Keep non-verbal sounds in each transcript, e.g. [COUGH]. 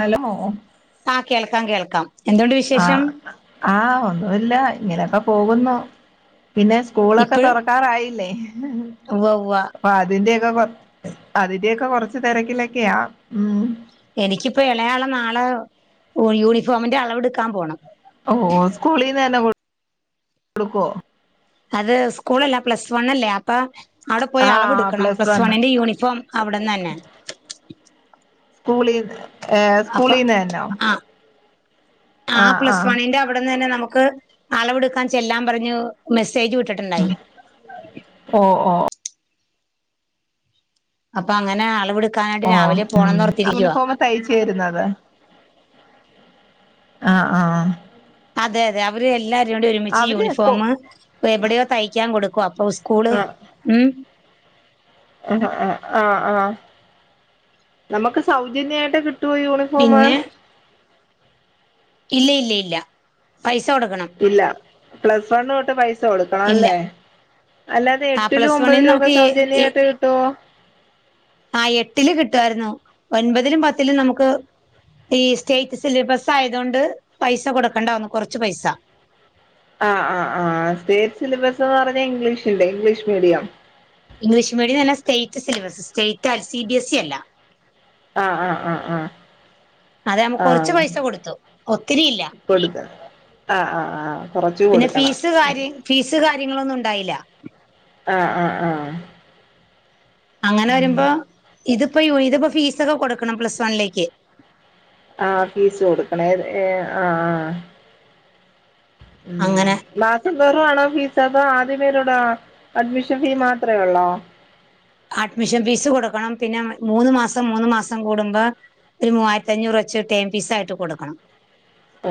Hello ആഹ് കേൾക്കാം കേൾക്കാം എന്തുണ്ട് വിശേഷം ആഹ്, ആഹ് ഒന്നുല്ല ഇങ്ങനെയൊക്കെ പോകുന്നു പിന്നെ സ്കൂളൊക്കെ ഇപ്പഴും തുറക്കാറായില്ലേ ഉവ്വ ഉവ്വ അപ്പൊ അതിന്റെ ഒക്കെ കൊ അതിന്റെ ഒക്കെ കൊറച്ച് തെരക്കിലൊക്കെയാ, ഉം എനിക്കിപ്പോ എളയാളെ നാളെ ഓ യൂണിഫോമിന്റെ അളവ്ടുക്കാൻ പോണം ഓഹ് സ്കൂളിന്ന് തന്നെ കൊട് ടുക്കുവോ? അത് സ്കൂളല്ല പ്ലസ് വൺ അല്ലേ അപ്പൊ അവിടെ പോയി ആ അളവ്ട്ക്കണം പ്ലസ് വൺ വണ്ണിന്റെ യൂണിഫോം അവിടന്നന്നെ സ്കൂളിൽ ഏഹ് അപ്പൊ സ്കൂളിന്ന് തന്നോ ആഹ് ആ പ്ലസ് വണ്ണിന്റെ അവിടെന്ന് തന്നെ നമുക്ക് അളവെടുക്കാൻ ചെല്ലാൻ പറഞ്ഞു മെസ്സേജ് വിട്ടിട്ടുണ്ടായി ഓഹ് ഓഹ് അപ്പൊ അങ്ങനെ അളവെടുക്കാനായിട്ട് രാവിലെ പോണംന്ന് ഓർത്തിരിക്കുവാ തയ്ച്ച് വരുന്നത് ആഹ് ആഹ് അതെ അതെ അവര് എല്ലാവരും കൂടി ഒരുമിച്ച് അവര് സ്കൂ യൂണിഫോമ് എവിടെയോ തയ്ക്കാൻ കൊടുക്കും അപ്പൊ സ് കൂള് ഉം ആഹ് ആഹ് ആഹ് നമുക്ക് സൗജന്യയിട്ട് കിട്ടോ യൂണി മൊമാ പിന്നെ ഇല്ല ഇല്ല ഇല്ല പൈസ കൊടുക്കണം ഇല്ല പ്ലസ് വൺ തൊട്ട് പൈസ കൊടുക്കണം ഇല്ല അല്ലേ അല്ലാതെ ആ എട്ടിലും പ്ലസ് വണ്ണിന് ഒമ്പതിലും ഒക്കെ നമുക്ക് സൗജന്യയിട്ട് കിട്ടുവോ? ആഹ് എട്ടില് കിട്ടുവായിരുന്നു ഒൻപതിലും പത്തിലും നമുക്ക് ഈ സ്റ്റേറ്റ് സിലബസ് ആയതുകൊണ്ട് പൈസ കൊടുക്കണ്ടാവുന്നു കുറച്ച് പൈസ ആഹ് ആഹ് ആഹ് സ്റ്റേറ്റ് സിലബസ് എന്ന് പറഞ്ഞ ഇംഗ്ലീഷ്ന്റെ ഇംഗ്ലീഷ് മീഡിയം ഇംഗ്ലീഷ് മീഡിയം നല്ല state syllabus state [UNINTELLIGIBLE] C B S E അല്ല ആഹ് ആഹ് ആഹ് ആഹ് അതെ നമ്മുക്ക് കുറച്ച് പൈസ കൊടുത്തു ഒത്തിരി ഇല്ല കൊടുത്തതാ ആഹ് ആഹ് ആഹ് കൊറച്ചു കൊടുക്കണം കാര് ഫീസ് കാര്യങ്ങളൊന്നും ഉണ്ടായില്ല ആഹ് ആഹ് ആഹ് അങ്ങനെ ഉം വരുമ്പോ ഇത്പ്പോ ഇത്പ്പോ ഫീസൊക്കെ കൊടുക്കണം പ്ലസ് വൺലേക്ക് ആഹ് ഫീസ് കൊടുക്കണ ഏത് ഏഹ് ആഹ് ഉം അങ്ങനെ മാസം തോറും ആണോ ഫീസ് അതോ ആദ്യമേരോടാ അഡ്മിഷൻ ഫീ മാത്രെ ഒള്ളൊ? അഡ്മിഷൻ ഫീസ് കൊടുക്കണം പിന്നെ മൂന്ന് മാസം മൂന്ന് മാസം കൂടുമ്പോ ഒരു മൂവായിരത്തി അഞ്ഞൂറ് വച്ച് ഒരു ടേം പീസ് ആയിട്ട് കൊടുക്കണം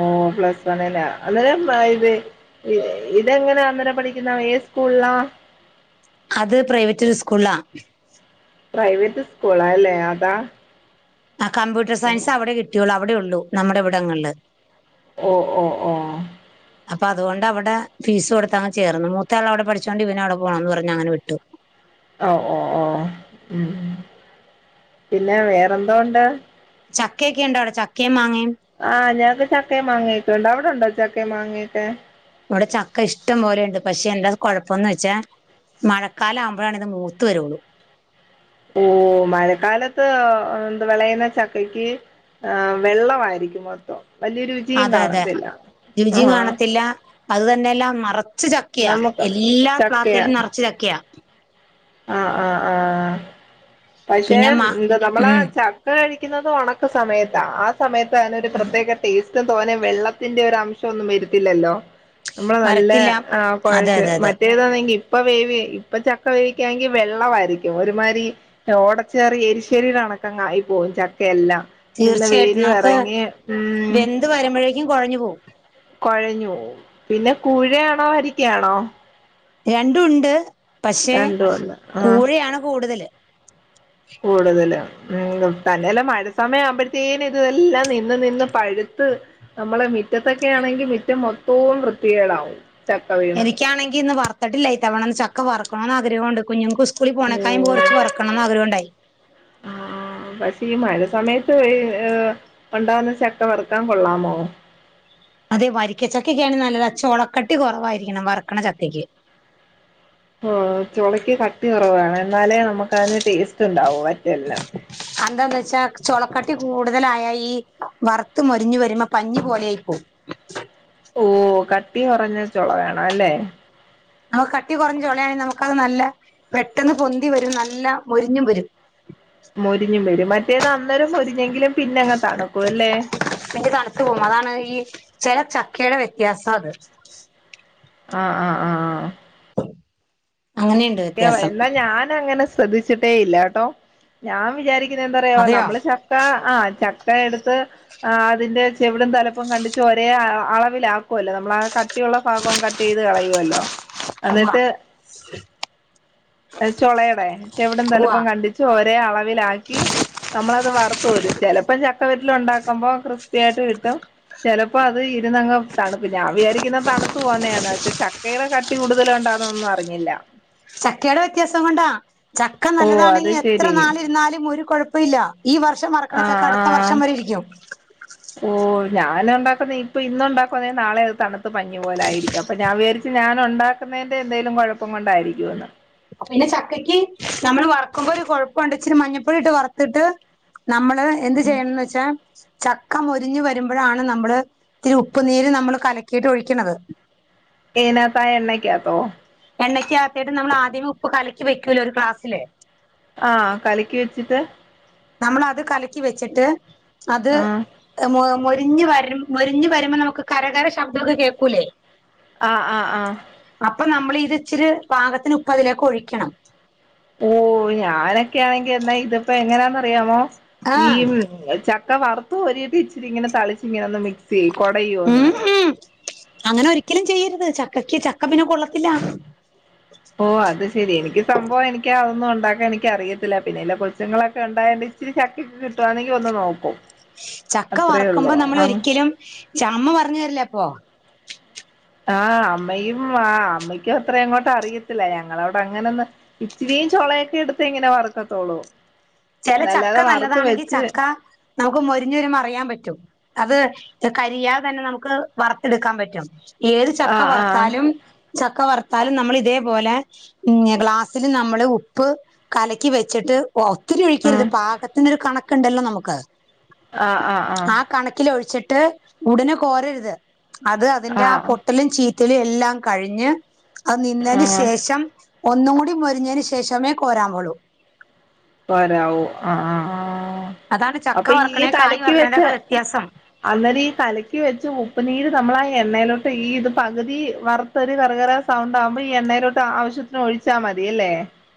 ഓഹ് പ്ലസ് വണ്ണിലാ അത് [UNINTELLIGIBLE] ഇ ഇതെങ്ങനാ അന്നേരം പഠിക്കുന്ന ഏ സ്കൂളിലാ? അത് പ്രൈവറ്റ് സ്കൂൾലാ പ്രൈവറ്റ് സ്കൂളാ അല്ലേ അതാ ആ കമ്പ്യൂട്ടർ സയൻസ് അവിടെ കിട്ടിയുള്ളു അവിടെ ഉള്ളു നമ്മുടെ ഇവിടങ്ങളില് ഓഹ് ഓഹ് ഓഹ് അപ്പൊ അതുകൊണ്ട് അവിടെ ഫീസ് കൊടുത്തങ്ങ് ചേർന്നു. മൂത്ത ആൾ അവിടെ പഠി ച്ചോണ്ട് ഇവനും അവിടെ പോണംന്ന് പറഞ്ഞ് അങ്ങനെ വിട്ടു അഹ് ഓഹ് ഓഹ് ഓഹ് ഉം പിന്നെ വേറെന്തോ ഉണ്ട് ചക്കയൊക്കെ ഉണ്ടോ അവിടെ ചക്കയും മാങ്ങയും ആഹ് ഞങ്ങക്ക് ചക്കയും മാങ്ങയും ഒക്ക ഉണ്ട് അവടെണ്ടോ ചക്കയും മാങ്ങയും ഒക്കെ? ഇവിടെ ചക്ക ഇഷ്ട്ടം പോലെയുണ്ട് പക്ഷെ എന്താ കൊഴപ്പംന്ന് വെച്ചാ മഴക്കാലം ആവുമ്പോഴാണ് ഇത് മൂത്ത് വരോള്ളൂ ഓ മഴക്കാലത്ത് എന്ത് വിളയുന്ന ചക്കക്ക് ആഹ് വെള്ളമായിയിരിക്കും മൊത്തോം വലിയൊരു അതെ അതെ രുചിയും കാണത്തില്ല അത് തന്നെയെല്ലാം നെറച്ച് ചക്കിയ നമുക്ക് എല്ലാ പ്ലാത്തേലും നെറച്ച് ചക്കയ ആഹ ആഹ് ആഹ പക്ഷെ പിന്നെ മ എന്താ നമ്മള ഉം ച ചക്ക കഴിക്കുന്നത് ഒണക്ക സമയത്ത ആ സമയത്താ അതിനൊരു പ്രത്യേക ടേസ്റ്റും തോനെ വെള്ളത്തിന്റെ ഒരു അം ഷം ഒന്നും വരുത്തില്ലല്ലോ നമ്മള് നല്ല വരത്തില്ല ആ അതെ കൊഴച്ച് അതെ അതെ മറ്റേതാന്നെങ്കി ഇപ്പൊ വേവി ഇപ്പ ചക്ക വേവിക്കാണെങ്കിൽ വെള്ളമായിരിക്കും ഒരുമാതിരി ഓടച്ചറിഎരിശ്ശേരിയിലണക്കങ്ങാ യി പോവും ചക്കെല്ലാം നല്ല വേരും ഇറങ്ങി ഉം ഇത് വരുമ്പോഴേക്കും കുഴഞ്ഞു പോവും കൊഴഞ്ഞോവും പിന്നെ കൂ ഴയാണോ വരിക്കയാണോ രണ്ടും ഉണ്ട് പക്ഷേ രണ്ടും ഉണ്ട് ആഹ് കൂഴയാണ് കൂടുതല് കൂടുതല ഉം തന്നെല്ല മഴ സമയം ആവുമ്പോഴത്തേന് ഇതെല്ലാം നിന്ന് നിന്ന് പഴുത്ത് നമ്മളെ മിറ്റത്തൊക്കെ ആണെങ്കിൽ മിറ്റം മൊത്തോം വൃത്തികേടാവും ചക്ക വീണ് എനിക്കാണെങ്കി ഇന്ന് വറത്തിട്ടില്ല ഇ തവണന്ന് ചക്ക വറക്കണന്ന് ആഗ്രഹംണ്ട് കുഞ്ഞുങ്ങൾക്ക് സ്കുളിപോണേടൈം. ഉം കൊറച്ച് വറക്കണംന്ന് ആഗ്രഹോണ്ടായി.. ആ പക്ഷേ ഈ മഴ സമയത്ത് ഉണ്ടാവുന്ന ചക്ക വറുക്കാൻ കൊള്ളാമോ അതെ വരിക്കച്ചക്കക്കാണ് നല്ലത് ആചൊളക്കട്ടി കൊ റവായിരിക്കണം വർക്കണച്ചക്കക്ക് ആ ചൊളയ്ക്ക് കട്ടി കുറവാണ് എന്നാലെ നമുക്ക് അതിന് ടേസ്റ്റ് ഉണ്ടാവും വറ്റെൽന് അതെന്താന്ന് വെച്ചാ ചൊളക്കട്ടി കൂടുതലായ ഈ വർ ത്തുമൊരിഞ്ഞു വരുമ്പൊ പഞ്ഞി പോലെ യായി പോവും ഓ കട്ടികൊറഞ്ഞ ചൊളവേണം അല്ലേ കട്ടി കൊറഞ്ഞ ചൊളയാണെങ്കിൽ നമുക്ക്അത് നല്ല പെട്ടെന്ന് പൊന്തി വരും നല്ല മൊരിഞ്ഞും വരും മൊരിഞ്ഞും വരും മറ്റേത് അന്നേരം മൊരിഞ്ഞെങ്കിലും പിന്നെ അങ്ങ് തണുക്കുവല്ലേ പിന്നെ തണുത്തു പോകും അതാണ് ഈ ചെല ചക്കയുടെ വ്യത്യാസാ അത് ആഹ് ആഹ് ആഹ് അങ്ങനേണ് എന്നാൽ ഞാൻ അങ്ങനെ ശ്രദ്ധിച്ചിട്ടേ ഇല്ല കേട്ടോ ഞാൻ വിചാരിക്ക ണ എന്താ പറയാ അതെയോ നമ്മള് ചക്ക ആഹ് ചക്ക എടുത്ത് ആഹ് അതിന്റെ ചെവിടും തലപ്പും കണ്ടിച്ച് ഒരേ അളവിലാക്കുവല്ലോ നമ്മള ആ ക കട്ടിയുള്ള ഭാഗം കട്ട് ചെയ്ത് കളയുമല്ലോ ഉവ്വ എന്നിട്ട് ചൊളയിടെ ചെവിടും ഉവ്വ തലപ്പും കണ്ടിച്ചോരേ അളവിലാക്കി നമ്മളത് വറുത്തു കോരും ചെലപ്പൊ ചക്ക വറ്റല് ഉണ്ടാക്കുമ്പൊ ക്രിസ്പ്പി യായിട്ട് കിട്ടും ചെലപ്പൊ അത് ഇരുന്നങ്ങ് തണുക്കും ഞാൻ വിചാരിക്കുന്ന തണുത്തു പോകുന്നതാണ് പക്ഷെ ച തീരെ കട്ടി കൂടുതല് ഉണ്ടാണൊന്നും അറിഞ്ഞില്ല ചക്കയുടെ വ്യത്യാസം കൊണ്ടാ ചക്ക ഓ അത് നല്ലതാണെങ്കി എത്ര ശരി നാളിരുന്നാലും ഒരു കുഴപ്പ ഇല്ല ഈ വർഷം ആഹ് വറക്കണച്ചക്ക അടുത്ത വർഷം ആഹ് വരെ ഇരിക്കും ഓ ഞാന് ഒണ്ടാക്കുന്ന ഇപ്പോൾ ഇന്നു ഉണ്ടാക്കുന്ന നാളെ അത് തണുത്ത് പഞ്ഞി പോലെയാ യിരിക്കും അപ്പ ഞാൻ വിചാരിച്ച് ഞാൻ ഒണ്ടാക്ക എണ്ണേൻ്റെ എന്തേലും കൊഴപ്പം കൊണ്ടായിരിക്കുമെന്ന് പിന്നെ ചക്കക്ക് നമ്മള് വറക്കുമ്പോ ഒരു കുഴപ്പംഉണ്ട് ഇച്ചിരി മഞ്ഞപ്പൊടി ഇട്ട് വറുത്തിട്ട് നമ്മൾ അഹ് എന്ത് ചെയ്യണംന്ന് വെച്ചാൽ ചക് ക മൊരിഞ്ഞു വരുമ്പോഴാണ് നമ്മള് ഇത്തിരി ഉപ്പ്നീര് നമ്മള് കലക്കിയിട്ട് ഒഴിക്ക്ണത് ഈൻ അതായ എണ്ണെ കാത്തോ എണ്ണയ്ക്ക ആകത്തിട്ട് നമ്മൾ ആദ്യമേ ഉപ്പ് കലക്കി വെക്കൂലോ ഒരു ക്ലാസ്സില് ആഹ് കലക്കി വെച്ചിട്ട് നമ്മൾ അത് കലക്കി വെച്ചിട്ട് അത് ആഹ് മൊ മൊരിഞ് വര് മൊരിഞഞ് വരുമ്പോ നമുക്ക് കരകര ശബ്ദക്കെ കേക്കൂലേ ആഹ് ആഹ് ആഹ് അപ്പൊ നമ്മളിത് ഇച്ചിരി പാകത്തിന് ഉപ്പ് അതിലേക് ഒഴിക്കണം ഓഹ് ഞാനൊക്കെയാണെങ്കി എന്നാ ഇതിപ്പോ എങ്ങനാന്ന് അറിയാമോ ഈ ആഹ് ചക് ക്ക വറുത്തു ഒരീട്ട് ഇച്ചിരി ഇങ്ങനെ തളിച്ച് ഇങ്ങനെ ഒന്ന് മിക്സെയ്യും കൊടയോം ഒന്ന് ഉം ഉം അങ്ങനെ ഒരിക്കലും ചെയ്യര്ത് ചക്കക്ക് ചക്ക പിന്നെ കൊള്ളത്തില്ല ഓഹ് അത് ശെരി എനിക്ക് സംഭവം എനിക്ക് അതൊന്നും ഉണ്ടാക്കാൻ എനിക്ക് അറിയത്തില്ല പിന്നെ എല്ല കൊച്ചുങ്ങളൊക്കെ ഇണ്ടായണ്ട് ഇച്ചരി ചക്കെക്കെ കിട്ടുവാണെങ്കി ഒന്ന് നോക്കും ചക്ക അത്രേ ഉള്ളൂ വറക്കുമ്പോ നമ്മൾ ആ ഒരിക്കലും ചഅമ്മ പറഞ്ഞു തരില്ല അപ്പൊ ആഹ് അമ്മയും ആഹ് അമ്മയ്ക്കും അത്ര അങ്ങോട്ട് അറിയത്തില്ല ഞങ്ങളവടെ അങ്ങനെന്ന് ഇച്ചിരീം ചോളയൊക്കെ എടുത്ത് ഇങ്ങനെ വറക്കത്തോള്ളൂ ചെല ചക്ക നല്ലതാണെങ്കി ചക്ക നമുക്ക് മൊരിഞ്ഞുവരുമ്പോ അറിയാൻ പറ്റും അത് കരിയാതെ തന്നെ നമുക്ക് വറുത്ടുക്കാൻ പറ്റും ഏത് ആ ചക്ക ആ വറ്ത്താലും ചക്ക വറ്ത്താലും നമ്മളിതേപോലെ പിന്നെ ഗ്ലാസ്സില് നമ്മള് ഉപ്പ് കലക്കി വെച്ചിട്ട് ഒ ഒത്തിരി ആ ഒഴിക്കരുത് പാകത്തിനൊരു കണക്കുണ്ടല്ലോ നമുക്ക് ആ കണക്കില് ഒഴിച്ചിട്ട് ഉടനെ കോരരുത് അത് അതിന്റെ ആ പൊട്ടലും ചീറ്റലും എല്ലാം കഴിഞ്ഞ് അത് ആ നിന്നതിന് ശേഷം ഒന്നും കൂടി മൊരിഞ്ഞതിന് ശേഷമേ കോരാൻ പോളൂ പരാവോ അഹ് അഹ് ആഹ് അതാണ് ചക്ക വറക്കണേ കായ് വറക്കണന്റെക്കെ വ്യത്യാസം അന്നേരം ഈ കലക്കി വെച്ച് ഉപ്പ്നീര് നമ്മള് ആ എണ്ണയിലോട്ട് ഈ ഇത് പകുതി വറ ഒരു കറകര സൗണ്ട് ആകുമ്പോ ഈ എണ്ണയിലോട്ട് ആവശ്യത്തിന് ഒഴിച്ചാ മതിയല്ലേ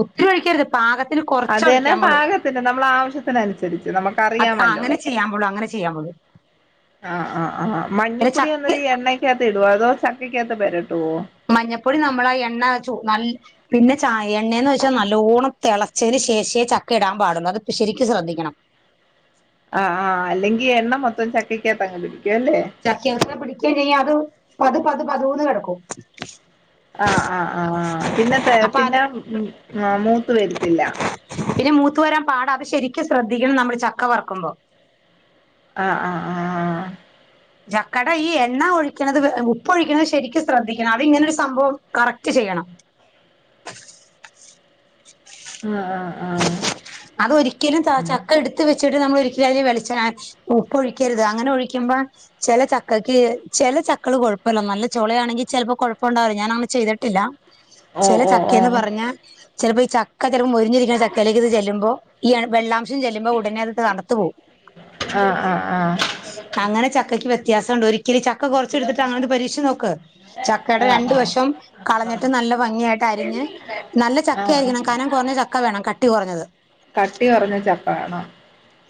ഒത്തിരി ഒഴിക്കരുത് പാകത്തിന് അത് തന്നെ കൊറച്ചൊഴിക്കാമ്പോളൂ പാകത്തിന് നമ്മൾ ആവശ്യത്തിനനുസരിച്ച് അത് ആ നമുക്കറിയാമല്ലോ അങ്ങനെ ചെയ്യാമ്പോളു അങ്ങന ചിയ്യാമ്പൊള്ളൂ ആഹ് ആഹ് ആഹ് മഞ്ഞപ്പൊടി ചക്ക അന്നേരു എണ്ണക്കകത്ത് ഇടോ അതോ ചക്കകത്ത് പെരട്ടുവോ മഞ്ഞപ്പൊടി നമ്മള ആ എണ്ണ ചോ നല്ല പിന്നെ ചായ എണ്ണേന്ന് വെച്ചാ നല്ലോണം തെളച്ചതിന് ശേഷേ ചക്ക ഇടാൻ പാടുന്നു അത് ശരിക്ക് ശ്രദ്ധിക്കണം ആഹ് ആഹ് അല്ലെങ്കി എണ്ണ മൊത്തം ചട്ടിക്കകത്ത്ങ്ങ് പിടിക്കും അല്ലേ ചക്കി അകത് പിടിക്കെം ചെയ്യും അത് പത് പത് പതോന്ന് കടക്കും ആഹ് ആഹ് ആഹ് പിന്നെ പെ അപ്പൊ പിന്നെ മൂത്ത് വരുത്തില്ല പിന്നെ മൂത്ത് വരാൻ പാട അത് ശരിക് ശ്രദ്ധിക്കണം നമ്മള് ചക്ക വറ്ക്കുമ്പോ ആഹ് ആഹ് ആഹ് ചക്കട ഈ എണ്ണ ഒഴിക്കണത് ഉപ്പ്ഒഴിക്കുണത് ശരിക് ശ്രദ്ധിക്കണം അതിങ്ങനെരു സംഭവം കറക്റ്റ് ചെയ്യണം [UNINTELLIGIBLE] ആഹ് ആഹ് ആഹ് അതൊരിക്കലും ത, ഉം ചക്ക ഇട്ത്ത് വെച്ചിട്ട് നമ്മൾ ഒരിക്കലും അതില് വെളിച്ചണെ ഉപ്പ് ഒഴിക്കര്ത് അങ്ങനെ ഒഴിക്കുമ്പോ ചെല ചക്കയ്ക്ക് ചെല ചക്കള് കുഴപ്പല്ല നല്ല ചോളയാണെങ്കി ചെലപ്പോ കൊഴപ്പമുണ്ടാവില്ലോ ഞാൻ അങ്ങനെ ചെയ്തിട്ടില്ല ഓഹ് ചെല ഓഹ് ചക്കേന്ന് ഓഹ് പറഞ്ഞാ ചെലപ്പോ ഈ ചക്ക ചെലപ്പം മുരിഞ്ഞിരിക്കുന്ന ചക്കയിലേക്ക് ഇത് ചെല്ലുമ്പോ ഈ വെള്ളം ച്ചും ചെല്ലുമ്പോ ഉ ടനെ അകത്ത് തണത്തു പോവും ആഹ് ആഹ് അങ്ങനെ ചക്കയ്ക്ക് വ്യത്യാസണ്ട് ഒരിക്കല് ചക്ക കൊറച്ചെടുത്തിട്ട് അങ്ങനെന്ത് പരീക്ഷിച്ച് നോക്ക് ചക്കടെ ആഹ് രണ്ട് ആഹ് വശം കളഞ്ഞിട്ട് നല്ല ഭംഗിയായിട്ട് അരിഞ്ഞ് നല്ല ചക്ക ആഹ് ആഹ് ആയിരിക്കണം കനം കോറഞ്ഞ ചക്ക വേണം ക ട്ടി കോറഞ്ഞത് കട്ടി കോറഞ്ഞ ചപ്പ വേണോ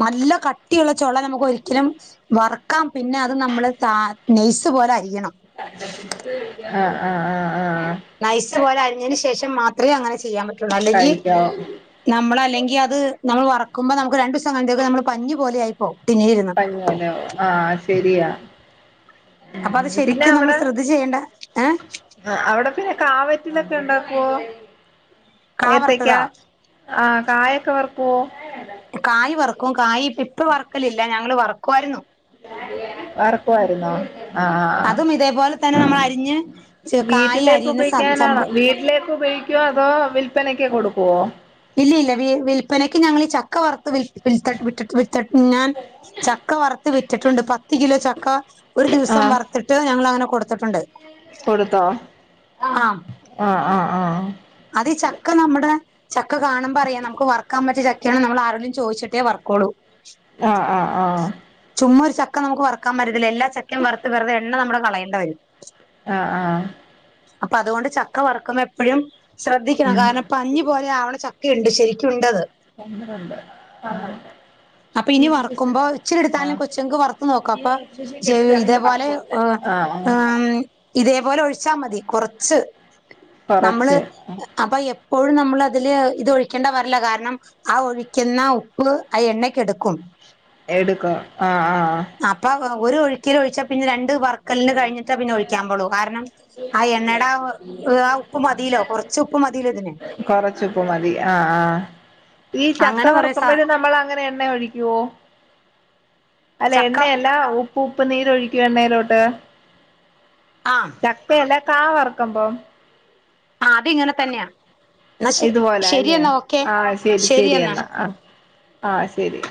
നല്ല കട്ടിയുള്ള ചോള നമുക്ക് ഒരിക്കലും വറക്കാം പിന്നെ അത് നമ്മള് ത നെയ്സ് പോലെ അരിയണം ആഹ് ആഹ് ആഹ് ആഹ് നൈസ് പോലെ അരിഞ്ഞേന് ശേഷം മാത്രമേ അങ്ങനെ ചെയ്യാൻ പറ്റുള്ളു. അല്ലെങ്കിൽ കഴിക്കാവോ നമ്മളല്ലെങ്കി അത് നമ്മള് വറക്കുമ്പോ, നമുക്ക് രണ്ട് ദിവസം കഴിഞ്ഞത്തേക്ക് നമ്മള് പഞ്ഞി പോലെയായി പോം. ടിന്നിലിരുന്ന്. ലെ ആഹ് ശെരിയാ. അപ്പ അത് ശരിക്കും നമ്മെള് ശ്രദ്ധിച്ച് ചെയ്യേണ്ട ഏഹ്. ആഹ് അവിടെ പിന്നെ കാവറ്റിലക്കെ ഉണ്ടാക്കുവോ കാ ഏത്തക്കാ? വറുത്തതാ ആഹ് കായൊക്കെ വറക്കുവോ? കായ് വറെക്കും. കായിപ്പ ഇപ്പ വറക്കെലില്ല. ഞങ്ങെള് വറെക്കുവാരുന്നു. വറക്കുവാരുന്നോ? ആഹ്, ആഹ്, ആഹ്. അതും ഇതേപോലെ തന്നെ നമ്മൾ അരിഞ്ഞ് കായ് വീട്ടിലേക്ക് അരിയുന്ന സം ഉപയോഗിക്കാനാണോ. സംഭവം വീട്ടിലേക്ക് ഉപയോഗിക്ക? ക്കേതോ വിൽപ്പനക്ക് കൊടുക്കുവോ? ഇല്ലില്ല, വിൽപ്പനയ്ക്ക് ഞങ്ങളി ഈ ചക്ക വർ വിൽ വിൽത്തട്ട് വിട്ടട്ട് വിത്തട്ട് ഞാൻ ചക്ക വറുത്ത് വിറ്റിട്ടുണ്ട്. പത്ത് കിലോ ചക്ക. ഒരു ദിവസം ആഹ് വറിത്തിട്ട് ഞങ്ങെള് അങ്ങനെ കൊടുത്തിട്ടുണ്ട്. കൊടുത്തോ? ആം. ആഹ് ആഹ് ആഹ് ആഹ് അത് ഈ ചക്ക നമ്മെടെ. ചക്ക കാണുമ്പയറിയാം നമ്മെക്ക് വർ ക്കാ പറ്റിയ ചക്കെയണ് നമ്മെള് ആരെടെങ്കിലും ചോദിച്ചിട്ടേ വർക്കോളൂ. ആഹ് ആഹ് ആഹ് ചുമ്മാ ഒരു ചക്ക നമുക്ക് വറുക്കാൻ പറ്റത്തില്ല. എല്ലാ ചക്കയും വറുത്ത് വെറുതെ എണ്ണ നമ്മള് കളേയെണ്ട വെരും. ആഹ് ആഹ് അപ്പ അതുകൊണ്ട് ചക്ക വറെക്കുന്ന എപ്പഴും ശ്രദ്ധിക്കണം. ഉം കാരണം പഞ്ഞി പോ ആവണ ചക്കയുണ്ട്. ശരിക്കും ഉണ്ടത്. പന്ത്രണ്ട്, പന്ത്രണ്ട് അപ്പ ഇനി വറക്കുമ്പോ ഇച്ചിരി എടുത്താലും കൊച്ചങ്ങിക്ക് വറുത്ത് നോക്ക്. അപ്പൊ ചെയ്‌വോ ഇതേപോലെ. ഉവ്വ് ആഹ് ആഹ് ആന്നി ഇതേപോലെ ഒഴിച്ചാ മതി. കൊറെച്ച്, നമ്മെള് കൊറച്ച് അപ്പൊ എപ്പോഴും ന നമ്മളതില് ഇത് ഒഴിക്കേണ്ട വരില്ല. കാരണം ആ ഒഴിക്കുന്ന ഉപ്പ് ആ എണ്ണക്കെടുക്കും. എടുക്കെം. ആഹ് ആഹ് അപ്പ ഒരു ഒഴുക്കില് ഒഴിച്ചാ പിന്നെ രണ്ട് വർക്കെലിന് കഴിഞ്ഞിട്ടേ പിന്നെ ഒഴിക്കാൻ പോള് കാരണം. ആ എണ്ണേടെ ആ ഉപ്പ് മതിലോ. കൊറെച്ച് ഉപ്പ് മതിലോ ഇതിന്. കൊറച്ചുപ്പ് മതി ആഹ് ആഹ്. ഈ ചക്ക അങ്ങനെ കൊറെ സ വറുക്കുമ്പഴും നമ്മെള് അങ്ങനെ എണ്ണ ഒഴിക്കു യോ അല്ല ചക്ക എണ്ണയല്ല. ഉപ്പ് ഉപ്പ് നീരൊഴിക്കുമോ എണ്ണയിലോട്ട്? ആഹ് ചക്കയല്ലാ കാ വറുക്കുമ്പം. ആ അത് ഇങ്ങനെ തന്നെയാ എന്നാ ശെ ഇതുപോലെ അല്ലേ ശെരിയെന്നാ ഓക്കെ ആഹ് ശരി ശരി ശെരിയെന്നാ. എന്നാ ആഹ് ആഹ് ശെരി.